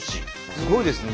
すごいですね。